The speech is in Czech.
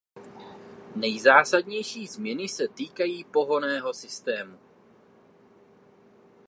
Nejzásadnější změny se týkají pohonného systému.